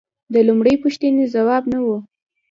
د لومړۍ پوښتنې ځواب نه و